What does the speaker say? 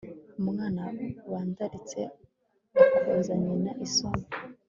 umwana bandaritse akoza nyina isoni